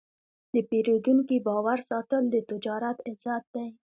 د پیرودونکي باور ساتل د تجارت عزت دی.